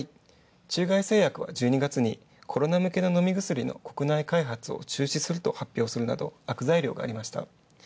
中外製薬は、１２月にコロナ向けの飲み薬の開発を中止すると発表するなど悪材料がありました。